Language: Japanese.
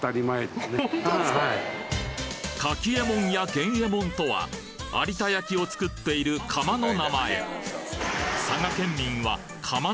柿右衛門や源右衛門とは有田焼を作っている窯の名前